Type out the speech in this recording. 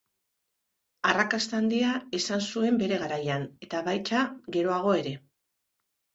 Arrakasta handia izan zuen bere garaian, eta baita geroago ere.